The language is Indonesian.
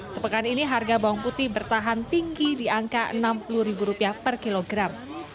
sepekan ini harga bawang putih bertahan tinggi di angka rp enam puluh per kilogram